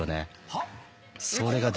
はっ？